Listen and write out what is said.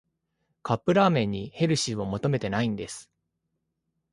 カップラーメンにヘルシーは求めてないんです